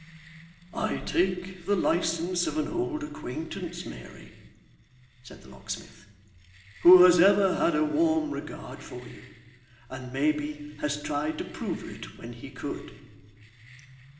'I take the licence of an old acquaintance, Mary,' said the locksmith, 'who has ever had a warm regard for you, and maybe has tried to prove it when he could.